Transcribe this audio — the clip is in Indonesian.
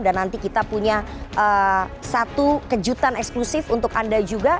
dan nanti kita punya satu kejutan eksklusif untuk anda juga